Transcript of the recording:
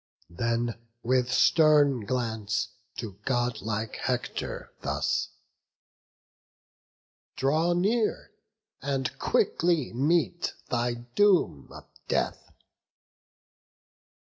Then, with stern glance, to godlike Hector thus: "Draw near, and quickly meet thy doom of death."